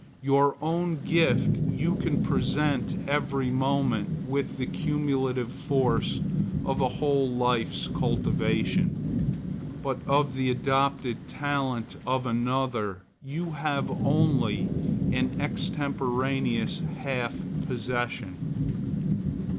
Your own gift you can present every moment with the cumulative force of a whole life's cultivation; but of the adopted talent of another you have only an extemporaneous half possession.